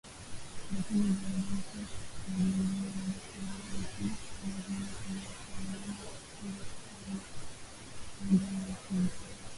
lakini viongozi wa jumuiya wamesema hawahitaji kufanya hivyo kama wataamua kuanza tena mgomo wiki ijayo